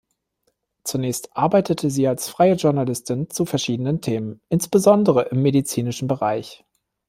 Zunächst arbeitete sie als freie Journalistin zu verschiedenen Themen, insbesondere im medizinischen Bereich.